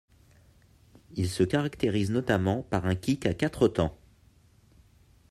Il se caractérise notamment par un kick à quatre temps.